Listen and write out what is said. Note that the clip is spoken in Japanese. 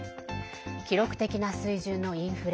記録的な水準のインフレ。